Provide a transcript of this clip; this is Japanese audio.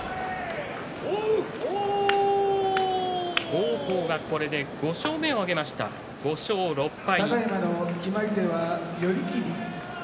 王鵬がこれで５勝目を挙げました５勝６敗。